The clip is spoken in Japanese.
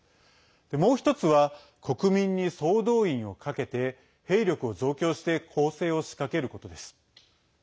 もう１つは国民に総動員をかけて兵力を増強して攻勢を仕掛けることです。